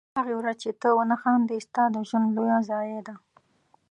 په هغې ورځ چې ته ونه خاندې ستا د ژوند لویه ضایعه ده.